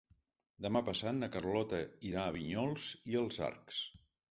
Demà passat na Carlota irà a Vinyols i els Arcs.